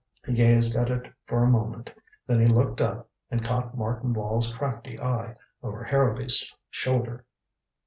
He gazed at it for a moment. Then he looked up, and caught Martin Wall's crafty eye over Harrowby's shoulder.